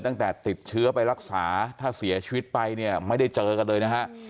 ตั้งแต่ติดเชื้อไปรักษาถ้าเสียชีวิตไปเนี่ยไม่ได้เจอกันเลยนะฮะ